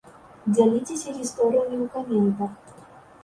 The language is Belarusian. Дзяліцеся гісторыямі ў каментах!